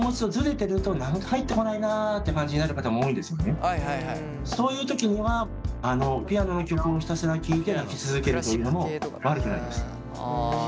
歌詞のない曲を好む方はそういう時にはピアノの曲をひたすら聴いて泣き続けるというのも悪くないですよ。